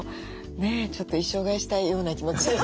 ちょっと衣装替えしたいような気持ち。